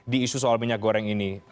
di isu soal minyak goreng ini